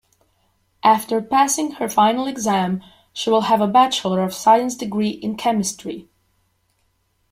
After passing her final exam she will have a bachelor of science degree in chemistry.